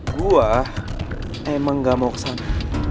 gue emang gak mau ke sana